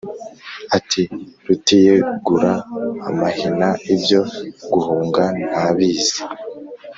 Ati: Rutiyegura amahina ibyo guhunga ntabizi!